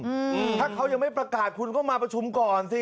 อืมถ้าเขายังไม่ประกาศคุณก็มาประชุมก่อนสิ